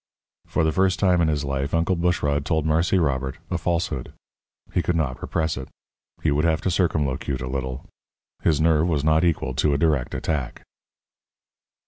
For the first time in his life, Uncle Bushrod told Marse Robert a falsehood. He could not repress it. He would have to circumlocute a little. His nerve was not equal to a direct attack.